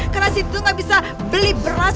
karena si itu gak bisa beli beras